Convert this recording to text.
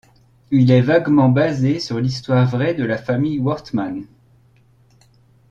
Il est vaguement basé sur l'histoire vraie de la famille Wortman.